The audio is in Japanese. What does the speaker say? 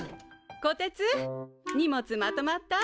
こてつ荷物まとまった？